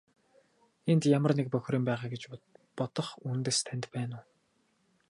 Энд ямар нэг бохир юм байгаа гэж бодох үндэс танд байна уу?